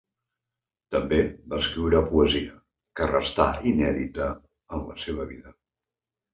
També va escriure poesia, que restà inèdita en la seva vida.